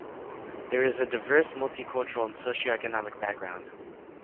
There is a diverse multicultural and socio-economic background.